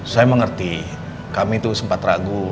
saya mengerti kami itu sempat ragu